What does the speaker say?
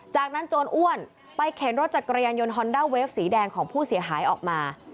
จากนั้นโจรอ้วนไปเข็นรถจักรยานยนต์ฮอนด้าเวฟสีแดงของผู้เสียหายออกมา